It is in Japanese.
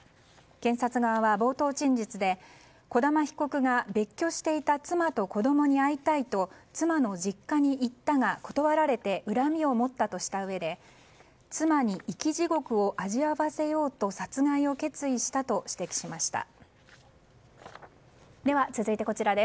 検察側は冒頭陳述で児玉被告が別居していた妻と子供に会いたいと妻の実家に行ったが断れて恨みを持ったとしたうえで妻に生き地獄を味わわせようと殺害を決意したと指摘しました。